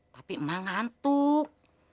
tapi mak ngantuk